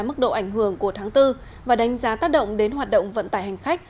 mức độ ảnh hưởng của tháng bốn và đánh giá tác động đến hoạt động vận tải hành khách